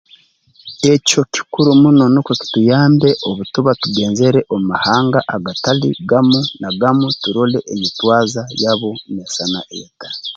Ekyo kikuru muno nukwo kituyambe obu tuba tugenzere mu mahanga agatali gamu na gamu turole enyetwaza yabo neesana eta